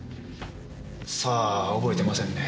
さあ覚えてませんね。